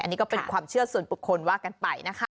อันนี้ก็เป็นความเชื่อส่วนบุคคลว่ากันไปนะคะ